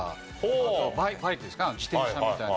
あとバイクですか自転車みたいな。